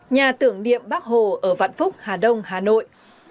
nhà tưởng điệm bắc hồ ở vạn phúc hà đông hà nội